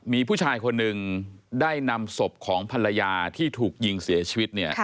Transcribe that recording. มีผู้ชายคนหนึ่งได้นำศพของภรรยาที่ถูกยิงเสียชีวิต